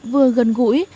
vừa gần gũi